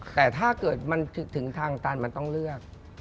แต่ถ้าเกิดมันถึงทางตันมันต้องเลือก